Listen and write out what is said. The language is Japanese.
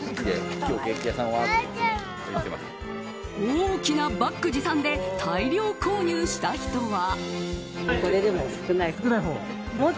大きなバッグ持参で大量購入した人は。